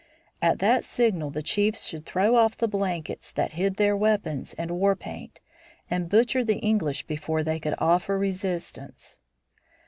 At that signal the chiefs should throw off the blankets that hid their weapons and war paint, and butcher the English before they could offer resistance.